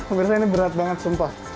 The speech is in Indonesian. pemirsa ini berat banget sumpah